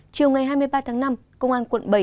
chiều ngày hai mươi ba tháng năm công an quận bảy